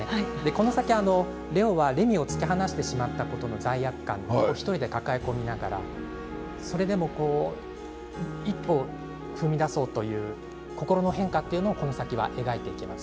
この先レオはレミを突き放してしまったことの罪悪感を１人で抱えながらそれでも一歩踏み出そうという心の変化というのがこの先、描かれていきます。